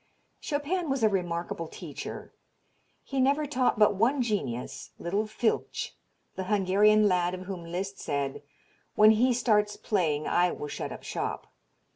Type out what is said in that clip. Chopin was a remarkable teacher. He never taught but one genius, little Filtsch, the Hungarian lad of whom Liszt said, "When he starts playing I will shut up shop."